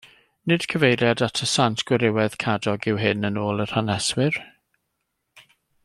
Nid cyfeiriad at y sant gwrywaidd Cadog yw hyn yn ôl yr haneswyr.